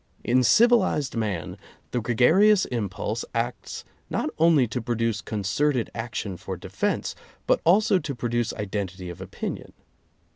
In civilized man, the gregarious impulse acts not only to produce concerted action for defense, but also to produce identity of opinion.